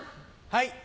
はい。